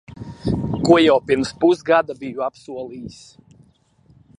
Ko jau pirms pusgada biju apsolījis.